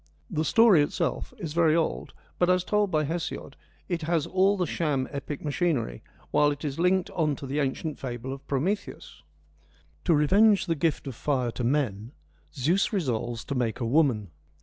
The story I itself is very old, but, as told by Hesiod, it has all the sham epic machinery, while it is linked on to the ancient fable of Prometheus. 26 FEMINISM IN GREEK LITERATURE To revenge the gift of fire to men, Zeus resolves to make a woman.